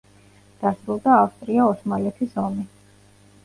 დასრულდა ავსტრია-ოსმალეთის ომი.